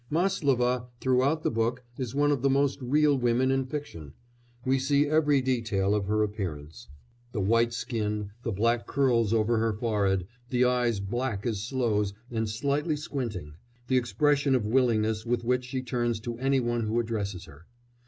Máslova throughout the book is one of the most real women in fiction; we see every detail of her appearance the white skin, the black curls over her forehead, the eyes black as sloes and slightly squinting, the expression of willingness with which she turns to anyone who addresses her.